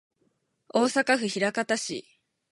大阪府枚方市